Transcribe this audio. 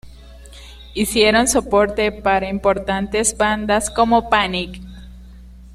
Hicieron soporte para importantes bandas como Panic!